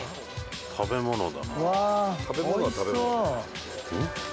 食べ物だな。